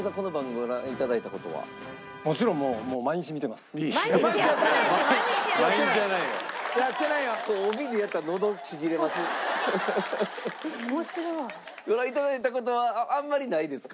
ご覧頂いた事はあんまりないですか？